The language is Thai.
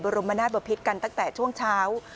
รมนาศบพิษกันตั้งแต่ช่วงเช้า